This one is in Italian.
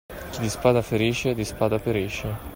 Chi di spada ferisce, di spada perisce.